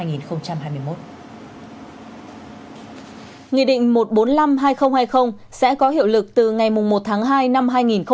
nghị định một trăm bốn mươi năm hai nghìn hai mươi sẽ có hiệu lực từ ngày một tháng hai năm hai nghìn hai mươi một